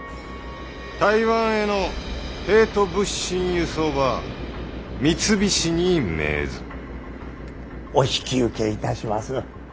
台湾への兵と物資ん輸送ば三菱に命ずっ。お引き受けいたします！